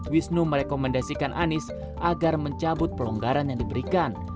wisnu merekomendasikan anies agar mencabut pelonggaran yang diberikan